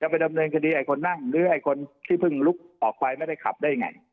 ไปดำเนินคดีไอ้คนนั่งหรือไอ้คนที่เพิ่งลุกออกไปไม่ได้ขับได้ไง